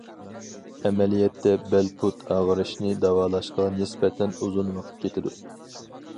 ئەمەلىيەتتە، بەل، پۇت ئاغرىشنى داۋالاشقا نىسبەتەن ئۇزۇن ۋاقىت كېتىدۇ.